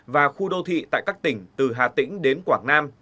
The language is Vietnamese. và khu đô thị tại các tỉnh từ hà tĩnh đến quảng nam